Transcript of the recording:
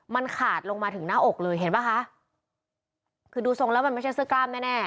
มันขาดลงมาถึงหน้าอกเลยเห็นป่ะคะคือดูทรงแล้วมันไม่ใช่เสื้อกล้ามแน่แน่